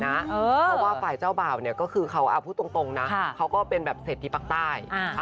เพราะว่าฝ่ายเจ้าบ่าวเนี่ยก็คือเขาพูดตรงนะเขาก็เป็นแบบเศรษฐีปากใต้